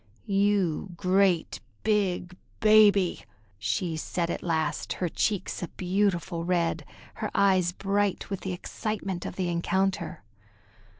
"You great big baby!" she said at last, her cheeks a beautiful red, her eyes bright with the excitement of the encounter.